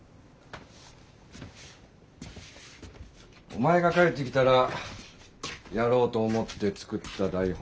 お前が帰ってきたらやろうと思って作った台本だ。